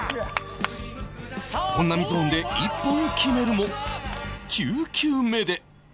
本並ゾーンで１本決めるも９球目で